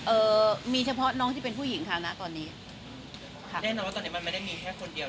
เอ่อมีเฉพาะน้องที่เป็นผู้หญิงค่ะนะตอนนี้ค่ะแน่นอนว่าตอนนี้มันไม่ได้มีแค่คนเดียว